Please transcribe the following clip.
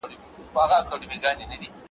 دغو ورېځو هم کتلو `